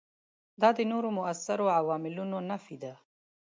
دا د نورو موثرو عواملونو نفي نه ده.